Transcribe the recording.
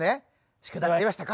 宿題はやりましたか？